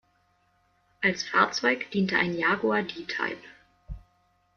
Als Fahrzeug diente ein Jaguar D-Type.